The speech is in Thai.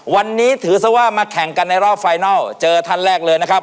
วันนี้ถือซะว่ามาแข่งกันในรอบไฟนัลเจอท่านแรกเลยนะครับ